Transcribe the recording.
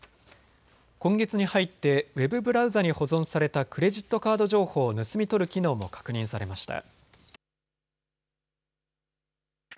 今月に入ってウェブブラウザに保存されたクレジットカード情報を盗み取る機能も確認されました。